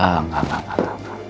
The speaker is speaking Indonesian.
ah gak gak gak